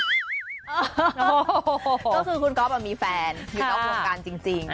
ก็คือคุณก๊อฟอะมีแฟนอยู่ต้องห่วงกันจริง